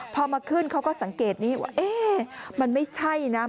พอมาขึ้นเขาก็สังเกตนี้ว่าเอ๊ะมันไม่ใช่นะ